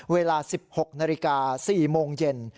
เวลา๑๖นาฬิกา๔โมงเย็น